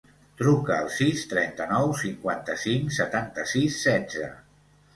Truca al sis, trenta-nou, cinquanta-cinc, setanta-sis, setze.